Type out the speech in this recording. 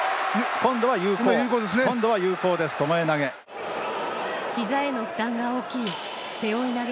今度は有効です、巴投げ。